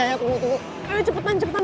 ayo cepetan cepetan bang cepetan